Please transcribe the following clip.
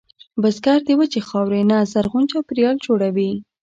بزګر د وچې خاورې نه زرغون چاپېریال جوړوي